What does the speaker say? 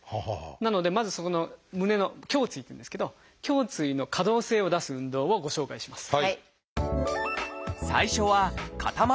なのでまずそこの胸の「胸椎」っていうんですけど胸椎の可動性を出す運動をご紹介します。